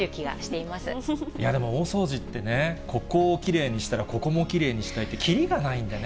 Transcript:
いやでも、大掃除ってね、ここをきれいにしたら、ここもきれいにしたいってきりがないんでね。